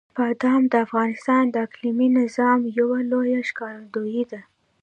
بادام د افغانستان د اقلیمي نظام یوه لویه ښکارندوی ده.